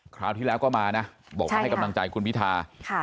คราวที่แล้วก็มานะบอกว่าให้กำลังใจคุณพิธา